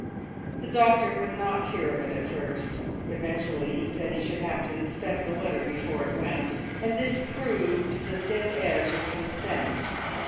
The doctor would not hear of it at first. Eventually he said he should have to inspect the letter before it went; and this proved the thin edge of consent.